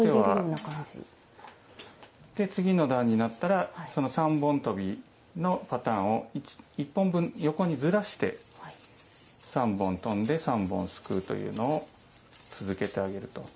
次の段になったらその３本飛びのパターンを１本分横にずらして３本飛んで３本すくうというのを続けてあげると。